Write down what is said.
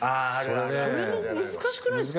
それも難しくないっすか？